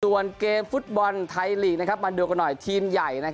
ส่วนเกมฟุตบอลไทยลีกมาดูกันหน่อยทีมใหญ่